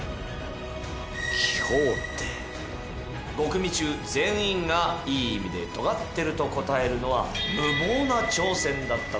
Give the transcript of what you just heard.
５組中全員がいい意味で尖ってると答えるのは無謀な挑戦だったのか？